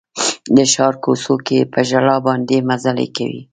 د ښار کوڅو کې په ژړا باندې مزلې کوي